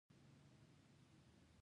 دا قاعده نه تخصیص کېدونکې ده.